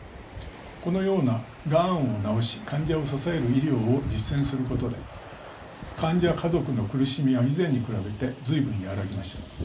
このような「がんを治し患者を支える医療」を実践することで患者家族の苦しみは以前に比べて随分和らぎました。